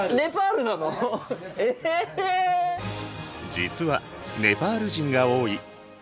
実はネパール人が多い。